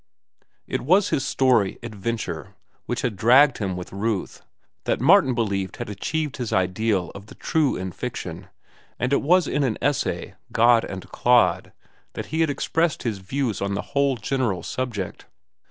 It was his story, "Adventure," which had dragged with Ruth, that Martin believed had achieved his ideal of the true in fiction; and it was in an essay, "God and Clod," that he had expressed his views on the whole general subject.